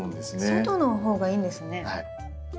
外の方がいいんですね。